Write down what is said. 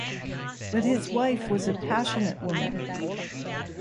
But his wife was a passionate woman.